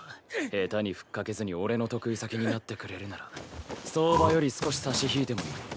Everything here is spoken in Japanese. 下手に吹っかけずに俺の得意先になってくれるなら相場より少し差し引いてもいい。